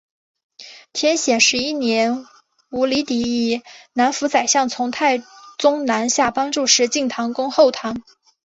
天显十一年鹘离底以南府宰相从太宗南下帮助石敬瑭攻后唐。